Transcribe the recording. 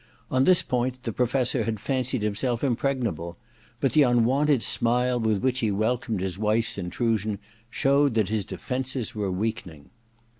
On this point the Professor had fancied himself impregnable ; but the unwonted smile with which he welcomed his wife's intrusion showed that his defences were weakening.